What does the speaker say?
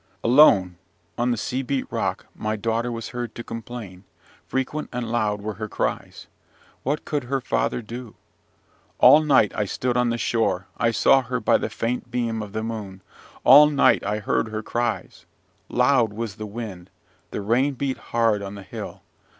"Alone, on the sea beat rock, my daughter was heard to complain; frequent and loud were her cries. What could her father do? All night I stood on the shore: I saw her by the faint beam of the moon. All night I heard her cries. Loud was the wind; the rain beat hard on the hill.